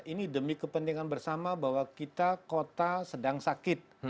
ini demi kepentingan bersama bahwa kita kota sedang sakit